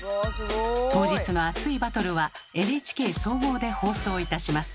当日の熱いバトルはＮＨＫ総合で放送いたします。